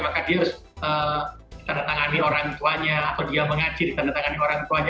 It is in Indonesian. maka dia harus ditandatangani orang tuanya atau dia mengaji ditandatangani orang tuanya